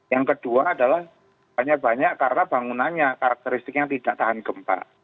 yang kedua adalah banyak banyak karena bangunannya karakteristiknya tidak tahan gempa